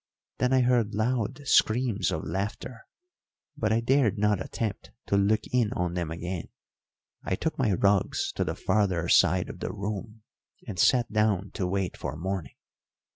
Then I heard loud screams of laughter, but I dared not attempt to look in on them again, I took my rugs to the farther side of the room, and sat down to wait for morning.